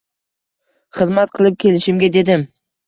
Xizmat qilib kelishimga dedim